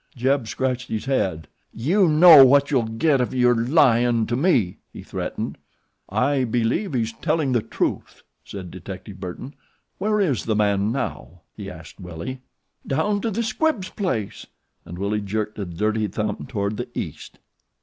Jeb scratched his head. "Yew know what you'll get ef you're lyin' to me," he threatened. "I believe he's telling the truth," said detective Burton. "Where is the man now?" he asked Willie. "Down to the Squibbs' place," and Willie jerked a dirty thumb toward the east.